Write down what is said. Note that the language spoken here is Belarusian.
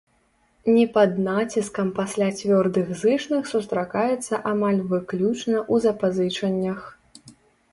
Не пад націскам пасля цвёрдых зычных сустракаецца амаль выключна ў запазычаннях.